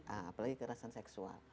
apalagi kekerasan seksual